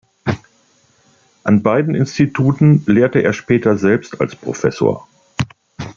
An beiden Instituten lehrte er später selbst als Professor.